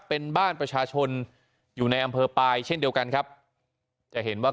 เป็นบ้านประชาชนอยู่ในอำเภอปลายเช่นเดียวกันครับจะเห็นว่า